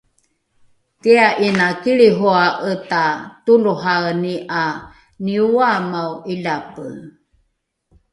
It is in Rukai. ti’a ’ina kilrihoa’eta toloraeni ’a nioaemao ’ilape?